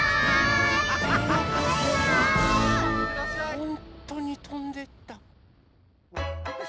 ほんとにとんでった。